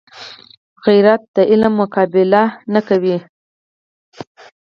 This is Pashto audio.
غیرت د علم مقابله نه کوي